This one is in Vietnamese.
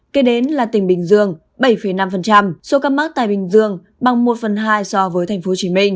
kế đến là tỉnh bình dương bảy năm số ca mắc tại bình dương bằng một phần hai so với tp hcm